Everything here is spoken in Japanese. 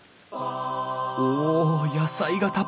お野菜がたっぷり！